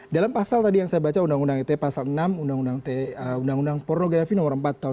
dalam pasal tadi yang saya baca undang undang ite pasal enam undang undang pornografi nomor empat tahun dua ribu